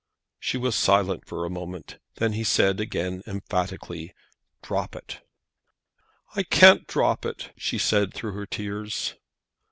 She was silent for a moment. Then he said again emphatically, "Drop it." "I can't drop it," she said, through her tears.